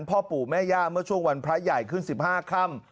พ่อปู่แม่ย่าเมื่อช่วงวันพระใหญ่ขึ้น๑๕ค่ำ